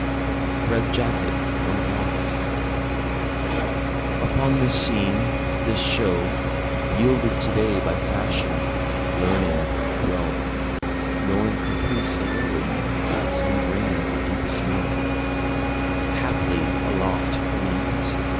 Red Jacket (From Aloft) Upon this scene, this show, Yielded to day by fashion, learning, wealth, (Nor in caprice alone some grains of deepest meaning,) Haply, aloft, (who knows?)